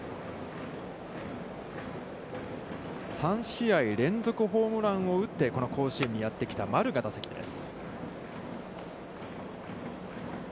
３試合連続ホームランを打ってこの甲子園にやってきた丸が打席です。